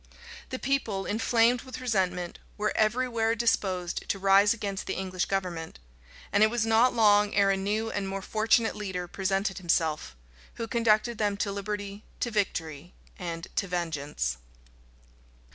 The people, inflamed with resentment, were every where disposed to rise against the English government; and it was not long ere a new and more fortunate leader presented himself, who conducted them to liberty, to victory, and to vengeance.